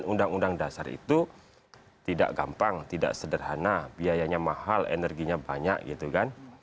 undang undang dasar itu tidak gampang tidak sederhana biayanya mahal energinya banyak gitu kan